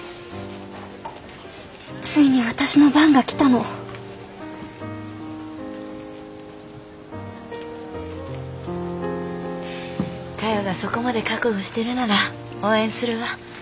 ついに私の番が来たの。かよがそこまで覚悟してるなら応援するわ。